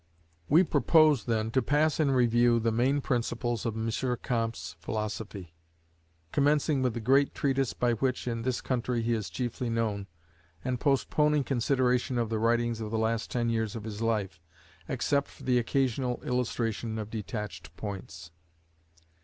We propose, then, to pass in review the main principles of M. Comte's philosophy; commencing with the great treatise by which, in this country, he is chiefly known, and postponing consideration of the writings of the last ten years of his life, except for the occasional illustration of detached points.